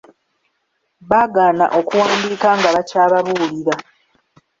Baagaana okuwandiika nga bakyababuulira.